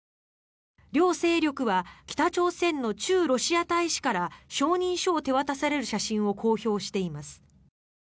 両勢力は北朝鮮の駐ロシア大使から承認書を手渡される写真を公表しています。